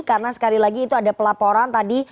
karena sekali lagi itu ada pelaporan tadi